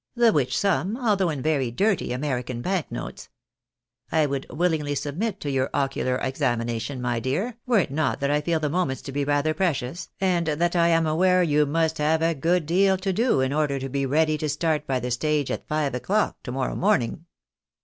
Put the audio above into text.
"The which sum, although in very dirty American bank notes, I would willingly submit to your ocular examination, my dear, were it not that I feel the moments to be rather precious, and that I am aware you must have a good deal to do in order to be ready to start by the stage at five o'clock to morrow morning."